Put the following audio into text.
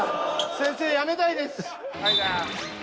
先生辞めたいです。